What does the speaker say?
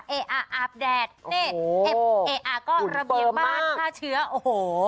เอออาบแดดเน่เออเออก็ระเบียงบ้านผ้าเชื้อโอ้โห